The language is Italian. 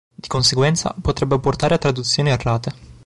Di conseguenza, potrebbe portare a traduzioni errate.